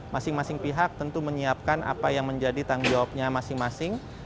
masing masing pihak tentu menyiapkan apa yang menjadi tanggung jawabnya masing masing